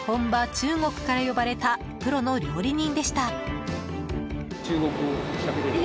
中国から呼ばれたプロの料理人。